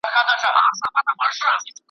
خدایه یو لا انارګل درڅخه غواړو .